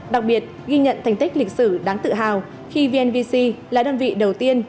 đặc biệt ghi nhận thành tích lịch sử đáng tự hào khi vnvc là đơn vị đầu tiên